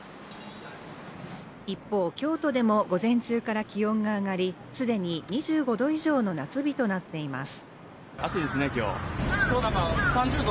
一方、京都でも午前中から気温が上がり、既に２５℃以上の夏日となっています。